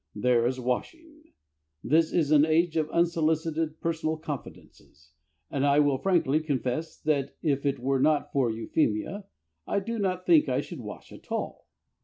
There is washing. This is an age of unsolicited personal confidences, and I will frankly confess that if it were not for Euphemia I do not think I should wash at all.